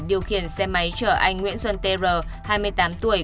điều khiển xe máy chở anh nguyễn xuân tê rơ hai mươi tám tuổi